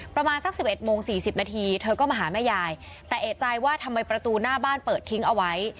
ประมาณสัก๑๑โมง๔๐นาทีเธอก็มาหาแม่ยายแต่เอกใจว่าทำไมประตูหน้าบ้านเปิดทิ้งเอาไว้